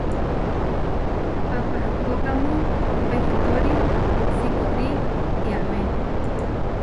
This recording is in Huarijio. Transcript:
Papahkókamu pehtóri sikóri tiamé.